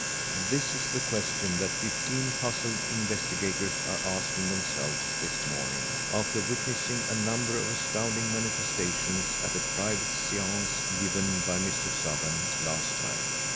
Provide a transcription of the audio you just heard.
This is the question that fifteen puzzled investigators are asking themselves this morning, after witnessing a number of astounding manifestations at a private seance given by Mr. Sothern last night.